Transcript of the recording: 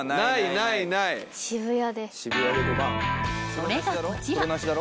［それがこちら］